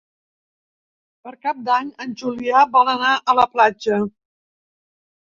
Per Cap d'Any en Julià vol anar a la platja.